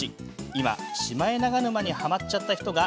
今、シマエナガ沼にハマっちゃった人が